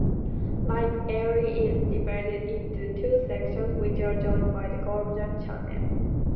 Lake Eyre is divided into two sections which are joined by the Goyder Channel.